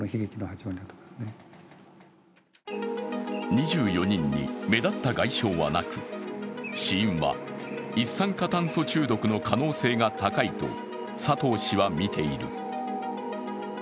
２４人に目立った外傷はなく、死因は一酸化炭素中毒の可能性が高いと佐藤氏はみている。